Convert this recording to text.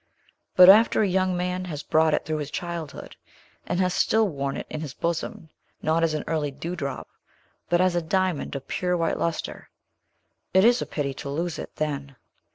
But after a young man has brought it through his childhood, and has still worn it in his bosom, not as an early dewdrop, but as a diamond of pure white lustre, it is a pity to lose it, then.